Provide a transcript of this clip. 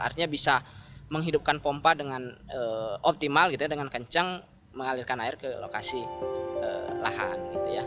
artinya bisa menghidupkan pompa dengan optimal dengan kencang mengalirkan air ke lokasi lahan